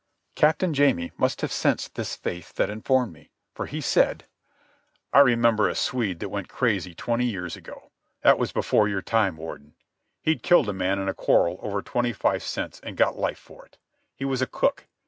Captain Jamie must have sensed this faith that informed me, for he said: "I remember a Swede that went crazy twenty years ago. That was before your time, Warden. He'd killed a man in a quarrel over twenty five cents and got life for it. He was a cook.